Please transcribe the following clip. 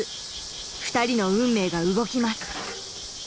二人の運命が動きます。